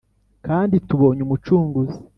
kandi tubonye umucunguzi,